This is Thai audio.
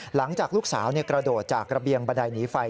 หลังจากลูกสาวกระโดดจากระเบียงบันไดหนีไฟ